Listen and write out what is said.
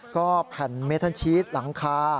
ก็แผ่นเมทันชีสหลังคา